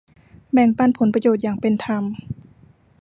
แบ่งปันผลประโยชน์อย่างเป็นธรรม